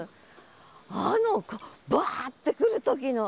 あのバーッてくる時の。